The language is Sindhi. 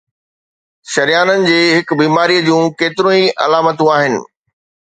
شريانن جي هن بيماريءَ جون ڪيتريون ئي علامتون آهن